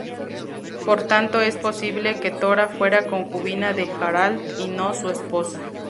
Por tanto, es posible que Tora fuera concubina de Harald y no su esposa.